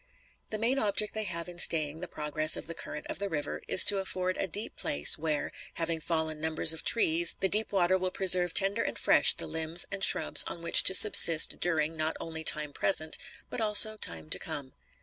The main object they have in staying the progress of the current of the river is to afford a deep place where, having fallen numbers of trees, the deep water will preserve tender and fresh the limbs and shrubs on which to subsist during, not only time present, but also time to come.